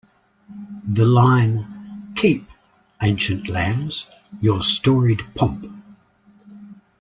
The line "Keep, ancient lands, your storied pomp!